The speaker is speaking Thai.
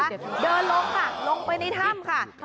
เดินลงค่ะลงไปในถ้ำค่ะ